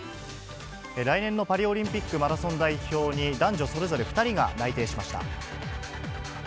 来年のパリオリンピックマラソン代表に、男女それぞれ２人が内定しました。